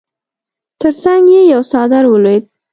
تر څنګ يې يو څادر ولوېد.